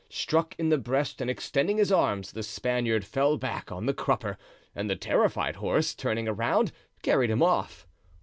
Struck in the breast and extending his arms, the Spaniard fell back on the crupper, and the terrified horse, turning around, carried him off.